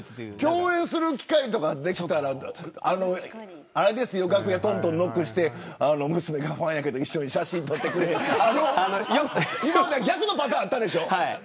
共演する機会とかできたら楽屋ノックして娘がファンなんだけど一緒に写真を撮ってくれと今までは逆のパターンあったでしょ。